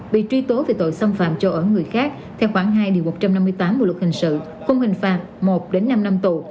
bị truy tố về tội xâm phạm cho ở người khác theo khoảng hai một trăm năm mươi tám bộ luật hình sự không hình phạt một đến năm năm tù